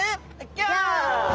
ギョー！